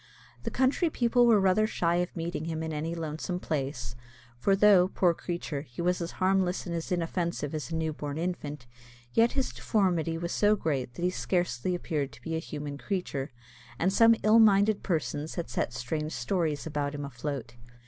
The country people were rather shy of meeting him in any lonesome place, for though, poor creature, he was as harmless and as inoffensive as a newborn infant, yet his deformity was so great that he scarcely appeared to be a human creature, and some ill minded persons had set strange stories about him afloat.